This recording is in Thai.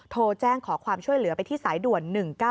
โทรแจ้งขอความช่วยเหลือไปที่สายด่วน๑๙๑